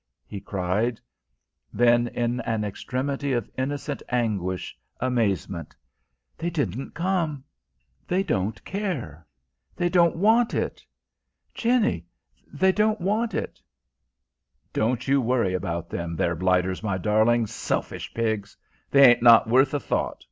he cried; then, in an extremity of innocent anguish, amazement "They didn't come! They don't care they don't want it! Jenny, they don't want it!" "Don't you worry about them there blighters, my darling. Selfish pigs! they ain't not worth a thought.